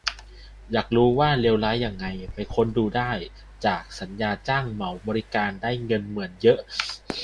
อยากรู้ว่าเลวร้ายยังไง ไปค้นดูได้จาก "สัญญาจ้างเหมาบริการ" ได้เงินเหมือนเยอะ